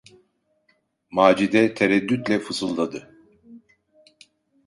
Macide tereddütle fısıldadı: